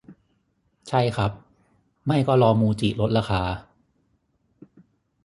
ใช่ครับ ไม่ก็รอมูจิลดราคา